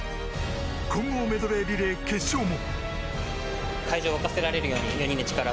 混合メドレーリレー決勝も。